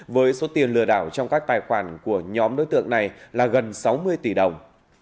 với số tiền lừa đảo trong các tài khoản của nhóm đối tượng này là gần sáu mươi tỷ đồng